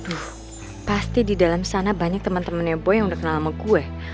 duh pasti di dalam sana banyak temen temennya boy yang udah kenal sama gue